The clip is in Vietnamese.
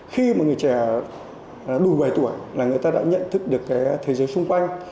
khi mà người trẻ đủ bảy tuổi là người ta đã nhận thức được cái thế giới xung quanh